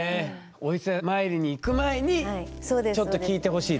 お伊勢参りに行く前にちょっと聞いてほしいと。